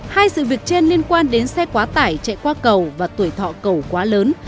hai sự việc trên liên quan đến xe quá tải chạy qua cầu và tuổi thọ cầu quá lớn